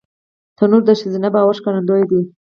تنور د ښځینه باور ښکارندوی دی